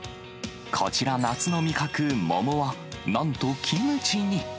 こちら、夏の味覚、桃は、なんとキムチに。